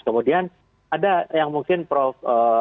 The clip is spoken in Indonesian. kemudian ada yang mungkin prof